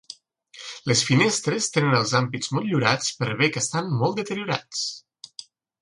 Les finestres tenen els ampits motllurats per bé que estan molt deteriorats.